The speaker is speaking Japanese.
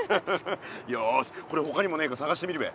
よしこれほかにもねえかさがしてみるべ。